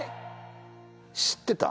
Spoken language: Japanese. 知ってた？